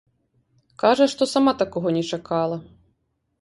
Кажа, што сама такога не чакала.